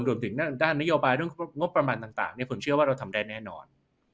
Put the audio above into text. รวมถึงด้านนโยบายเรื่องงบประมาณต่างผมเชื่อว่าเราทำได้แน่นอน